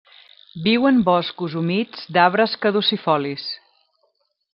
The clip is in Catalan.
Viu en boscos humits d'arbres caducifolis.